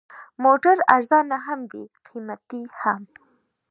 موټر ارزانه هم وي، قیمتي هم.